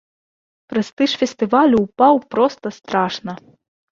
Прэстыж фестывалю ўпаў проста страшна.